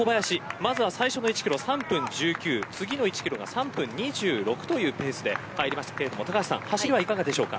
まずは最初の１キロ３分１９次の１キロが３分２６というペースで入りましたが走りはいかがですか。